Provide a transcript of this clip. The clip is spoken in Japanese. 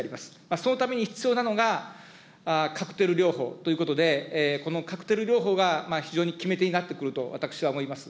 そのために必要なのが、カクテル療法ということで、このカクテル療法が非常に決め手になってくると私は思います。